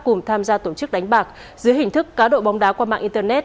cùng tham gia tổ chức đánh bạc dưới hình thức cá độ bóng đá qua mạng internet